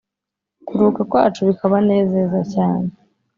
Kuruha kwacu bikabanezaza cyane